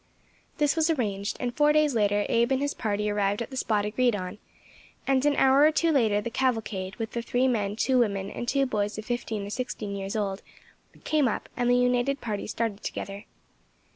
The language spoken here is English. This was arranged, and four days later Abe and his party arrived at the spot agreed on, and an hour or two later the cavalcade, with the three men, two women, and two boys of fifteen or sixteen years old, came up, and the united party started together.